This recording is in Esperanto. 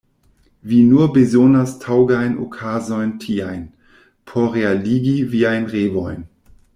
Vi nur bezonas taŭgajn okazojn tiajn, por realigi viajn revojn.